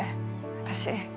私。